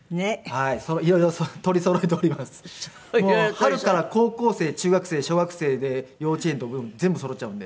春から高校生中学生小学生で幼稚園と全部そろっちゃうんで。